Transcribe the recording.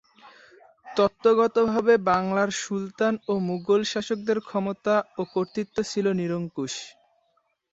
তত্ত্বগতভাবে বাংলার সুলতান ও মুগল শাসকদের ক্ষমতা ও কর্তৃত্ব ছিল নিরঙ্কুশ।